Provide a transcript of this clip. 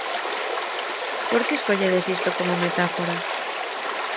Por que escolledes isto como metáfora?